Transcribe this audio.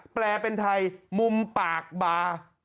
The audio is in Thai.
แปลเป็นไทยมุมปากบา